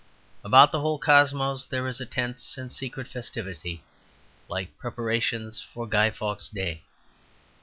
About the whole cosmos there is a tense and secret festivity like preparations for Guy Fawkes' day.